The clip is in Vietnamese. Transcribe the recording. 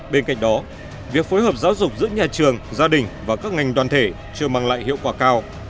bên cạnh đó việc phối hợp giáo dục giữa nhà trường gia đình và các ngành đoàn thể chưa mang lại hiệu quả cao